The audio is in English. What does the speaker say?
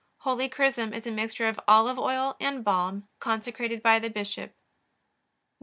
Holy chrism is a mixture of olive oil and balm, consecrated by the bishop. 170.